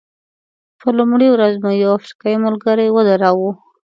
په لومړۍ ورځ مو یو افریقایي ملګری ودراوه.